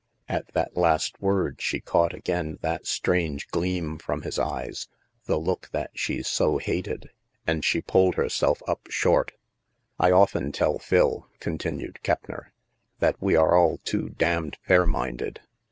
At that last word, she caught again that strange gleam from his eyes, the look that she so hated, and she pulled herself up short. "I often tell Phil," continued Keppner, "that we are all too damned fair minded.